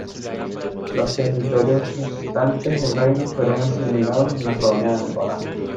Los territorios restantes del reino fueron asimilados en la colonia de Angola.